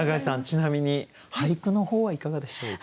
ちなみに俳句の方はいかがでしょうか？